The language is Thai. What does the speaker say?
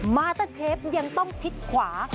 มาเตอร์เชฟยังต้องชิดขวา